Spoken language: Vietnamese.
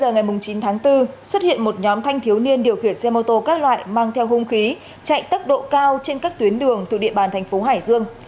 ngày chín tháng bốn xuất hiện một nhóm thanh thiếu niên điều khiển xe mô tô các loại mang theo hung khí chạy tốc độ cao trên các tuyến đường thuộc địa bàn thành phố hải dương